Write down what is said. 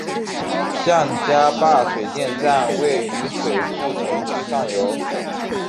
向家坝水电站位于水富城区上游。